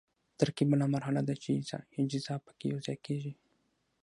ترکیب بله مرحله ده چې اجزا پکې یوځای کیږي.